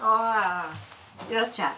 いらっしゃい。